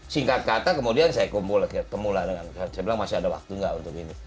singkat kata kemudian saya kumpul dengan saya bilang masih ada waktu nggak untuk ini